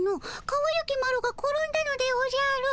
かわゆきマロが転んだのでおじゃる。